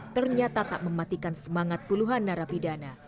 ternyata tak mematikan semangat puluhan narapidana